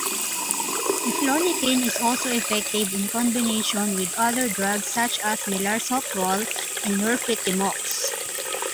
Eflornithine is also effective in combination with other drugs, such as melarsoprol and nifurtimox.